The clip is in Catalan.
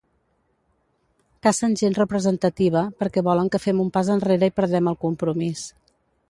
Cacen gent representativa, perquè volen que fem un pas enrere i perdem el compromís.